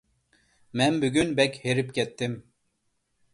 مەن بۈگۈن بەك ھېرىپ كەتتىم.